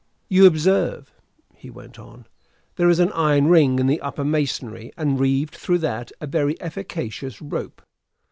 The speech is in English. "You observe," he went on, "there is an iron ring in the upper masonry, and, reeved through that, a very efficacious rope.